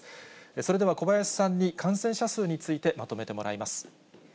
それでは小林さんに感染者数について、まとめてもらいます。